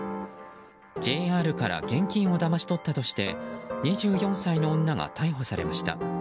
ＪＲから現金をだまし取ったとして２４歳の女が逮捕されました。